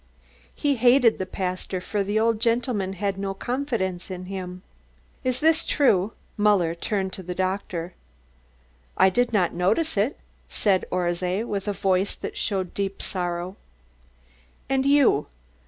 "He hated the pastor, for the old gentleman had no confidence in him." "Is this true?" Muller turned to the doctor. "I did not notice it," said Orszay with a voice that showed deep sorrow. "And you?"